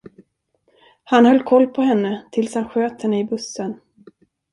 Han höll koll på henne tills han sköt henne i bussen.